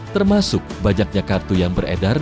termasuk banyaknya kartu yang beredar